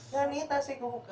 gak nge intasin kupu